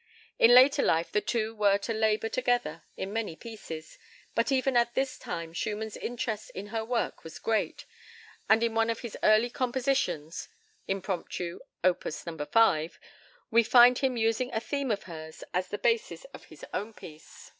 In later life the two were to labour together in many pieces, but even at this time Schumann's interest in her work was great, and in one of his early compositions (Impromptu, Op. 5) we find him using a theme of hers as the basis of his own piece.